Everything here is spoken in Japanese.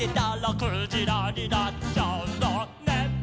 「くじらになっちゃうのね」